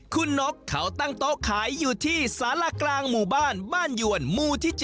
คุณนกเขาตั้งโต๊ะขายอยู่ที่สารากลางหมู่บ้านบ้านหยวนหมู่ที่๗